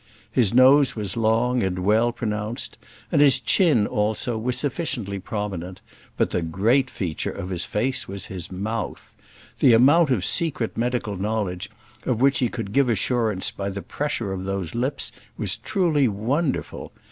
His nose was long, and well pronounced, and his chin, also, was sufficiently prominent; but the great feature of his face was his mouth. The amount of secret medical knowledge of which he could give assurance by the pressure of those lips was truly wonderful.